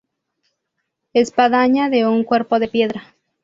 Espadaña de un cuerpo de piedra.